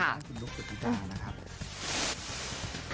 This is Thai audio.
อ้านขุนลุคสถิตาค่ะ